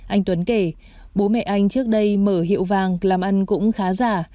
anh tuấn kể bố mẹ anh trước đây mở hiệu vàng làm ăn cũng khá giả